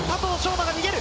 馬が逃げる。